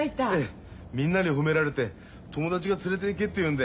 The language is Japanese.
みんなに褒められて友達が連れていけって言うんで。